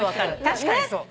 確かにそう。